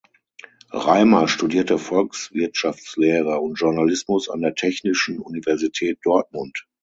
Reimer studierte Volkswirtschaftslehre und Journalismus an der Technischen Universität Dortmund.